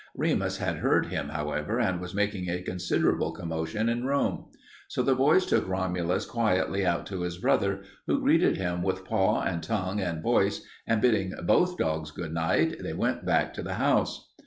Remus had heard him, however, and was making a considerable commotion in Rome. So the boys took Romulus quietly out to his brother, who greeted him with paw and tongue and voice, and bidding both dogs goodnight, they went back to the house.